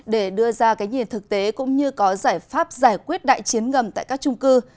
để đưa ra cái nhìn thực tế cũng như có giải pháp giải quyết đại chiến ngầm tại các trung cư